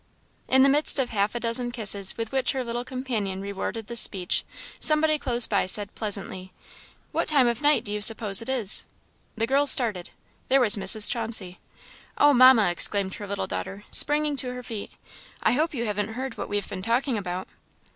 In the midst of half a dozen kisses with which her little companion rewarded this speech, somebody close by said, pleasantly "What time of night do you suppose it is?" The girls started there was Mrs. Chauncey. "Oh, Mamma!" exclaimed her little daughter, springing to her feet, "I hope you haven't heard what we have been talking about?"